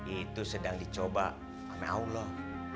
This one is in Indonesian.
itu sedang dicoba sama allah